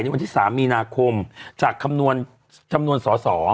ในวันที่๓มีนาคมจากคำนวณสอสอ